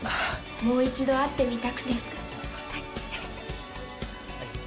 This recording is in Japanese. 「もう一度会ってみたくて」